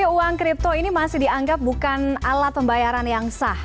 uang kripto ini masih dianggap bukan alat pembayaran yang sah